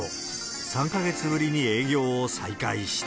３か月ぶりに営業を再開した。